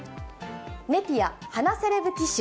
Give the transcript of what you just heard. ネピア鼻セレブティシュ。